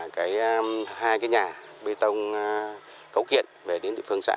cái hai cái nhà bê tông cấu kiện về đến địa phương xã